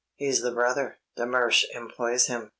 He's the brother. De Mersch employs him."